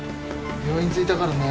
病院着いたからね。